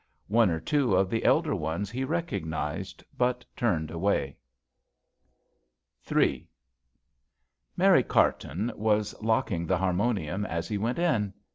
One or two of the elder ones he recognized but turned away. III. CARTON was locking the harmonium as he went in.